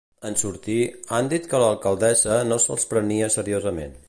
En sortir, han dit que l'alcaldessa no se'ls prenia seriosament.